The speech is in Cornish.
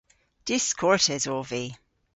Diskortes ov vy.